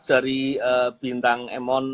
dari bintang emon